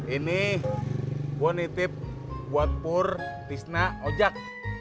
ini gue nitip buat pur tisna ojak